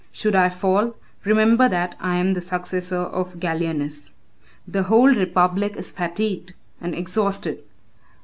Should I fall, remember that I am the successor of Gallienus. The whole republic is fatigued and exhausted.